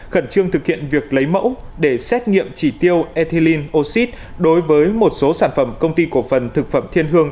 khẩn trương thực hiện việc lấy mẫu để xét nghiệm chỉ tiêu ethilin oxyd đối với một số sản phẩm công ty cổ phần thực phẩm thiên hương